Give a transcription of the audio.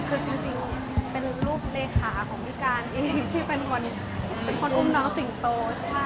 คือจริงเป็นรูปเลขาของพี่กานเองที่เป็นจุดของคนอุ้มน้อสิงตู